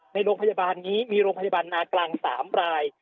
ในโรงพยาบาลนี้มีโรงพยาบาลนากลาง๓ราย